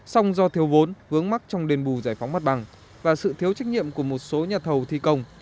song do thiếu vốn vướng mắc trong đền bù giải phóng mặt bằng và sự thiếu trách nhiệm của một số nhà thầu thi công